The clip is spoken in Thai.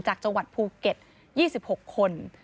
จากจังหวัดภูเก็ต๒๖คน